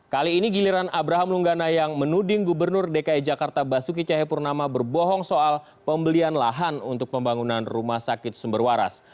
kali ini giliran abraham lunggana yang menuding gubernur dki jakarta basuki cahayapurnama berbohong soal pembelian lahan untuk pembangunan rumah sakit sumber waras